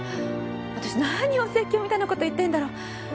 私何お説教みたいな事言ってるんだろう。